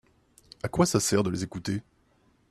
A quoi ça sert de les écouter ?